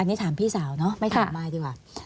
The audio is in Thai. อันนี้ถามพี่สาวเนาะไม่ถามมายดีกว่า